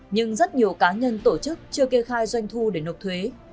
nhưng rất nhiều cá nhân tổ chức chưa kê khai doanh thu để nộp thuế